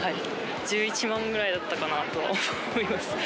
１１万ぐらいだったかなと思います。